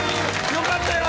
よかったよ。